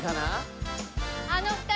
あの２人